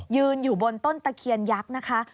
ยืนอยู่บนต้นตะเคียนยักษ์นะคะ